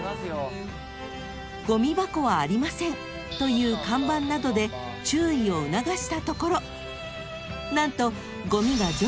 ［「ゴミ箱はありません」という看板などで注意を促したところ何と］